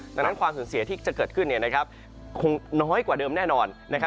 ดังนั้นความสูญเสียที่จะเกิดขึ้นเนี่ยนะครับคงน้อยกว่าเดิมแน่นอนนะครับ